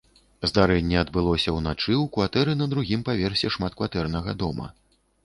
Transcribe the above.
Здарэнне адбылося ўначы ў кватэры на другім паверсе шматкватэрнага дома.